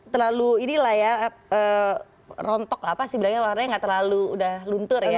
terlalu ini lah ya rontok apa sih bilangnya warnanya nggak terlalu udah luntur ya